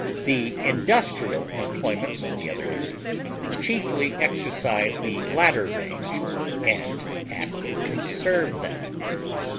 The industrial employments, on the other hand, chiefly exercise the latter range, and act to conserve them.